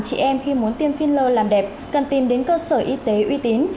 chị em khi muốn tiêm filler làm đẹp cần tìm đến cơ sở y tế uy tín